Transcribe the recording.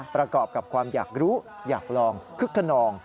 ประกอบกับความอยากรู้อยากลองคึกขนอง